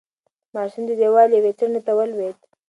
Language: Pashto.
ماشوم د دېوال یوې څنډې ته ولوېد.